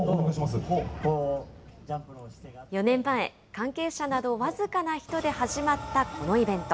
関係者など、僅かな人で始まったこのイベント。